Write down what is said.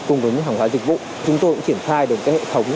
cung ứng hàng hóa dịch vụ chúng tôi cũng triển khai được cái hệ thống